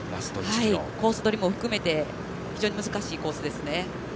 コースどりも含めて非常に難しいコースですね。